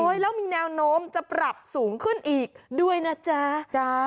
แล้วมีแนวโน้มจะปรับสูงขึ้นอีกด้วยนะจ๊ะ